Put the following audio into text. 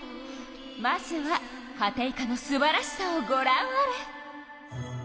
まずはカテイカのすばらしさをごらんあれ！